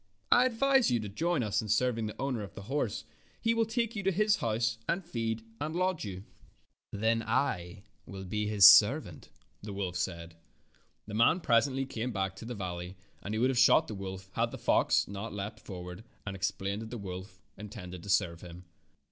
I advise you to join us in serving the owner of the horse. He will take you to his house and feed and lodge you." F airy T ale F oxes 93 "Then I will be his servant," the woK said. The man presently came back to the val ley, and he would have shot the wolf had not the foxdeaped forward and explained that the woM intended to serve him.